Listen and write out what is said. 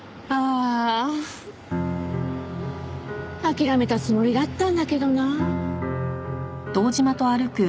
諦めたつもりだったんだけどな。